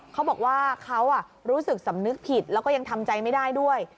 เขาบอกว่าเขารู้สึกสำนึกผิดแล้วก็ยังทำใจไม่ได้ด้วย